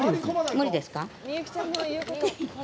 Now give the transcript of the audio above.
無理ですか？